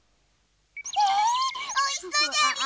えおいしそうじゃりー！